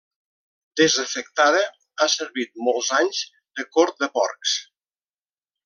Desafectada, ha servit molts anys de cort de porcs.